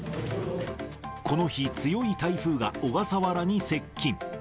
この日、強い台風が小笠原に接近。